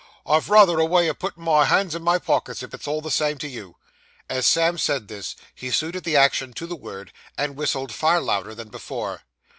'I've rayther a way o' putting my hands in my pockets, if it's all the same to you.' As Sam said this, he suited the action to the word, and whistled far louder than before.